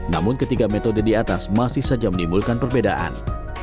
namun ketiga metode diatas masih saja menimbulkan perbedaan